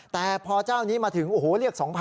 แต่พอเจ้านี้มาถึงโอ้โหเรียก๒๐๐๐๓๐๐๐นะฮะ